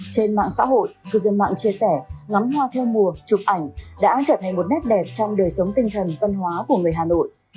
trên mạng xã hội cư dân mạng chia sẻ ngắm hoa theo mùa chụp ảnh đã trở thành một nét đẹp trong đời sống tinh thần văn hóa của người hà nội